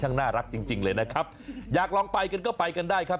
น่ารักจริงจริงเลยนะครับอยากลองไปกันก็ไปกันได้ครับ